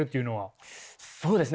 そうですね。